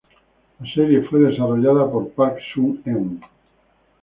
La serie fue desarrollada por Park Sung-eun.